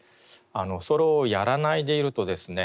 それをやらないでいるとですね